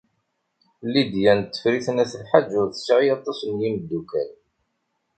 Lidya n Tifrit n At Lḥaǧ ur tesɛi aṭas n yimeddukal.